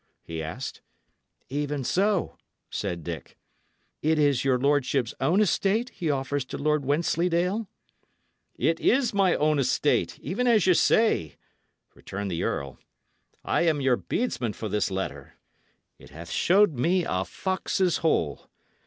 he asked. "Even so," said Dick. "It is your lordship's own estate he offers to Lord Wensleydale?" "It is my own estate, even as ye say!" returned the earl. "I am your bedesman for this letter. It hath shown me a fox's hole.